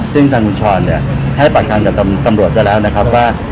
ซึ่งทางคุณชรเนี่ยให้ปากคำกับตำรวจไว้แล้วนะครับว่า